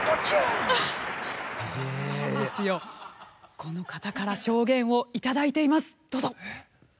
この方から証言をいただいています。